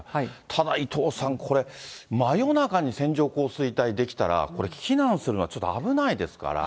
ただ伊藤さん、これ真夜中に線状降水帯出来たら、避難するのはちょっと危ないですから。